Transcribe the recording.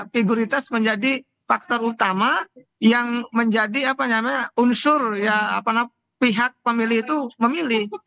figuritas menjadi faktor utama yang menjadi unsur pihak pemilih itu memilih